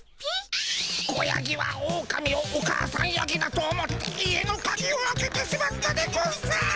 子ヤギはオオカミをお母さんヤギだと思って家のカギを開けてしまったでゴンス。